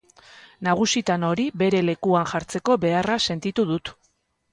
Nagusitan hori bere lekuan jartzeko beharra sentitu dut.